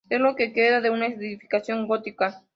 Es lo que queda de una edificación gótica.